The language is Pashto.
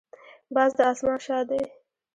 باز د اسمان شاه دی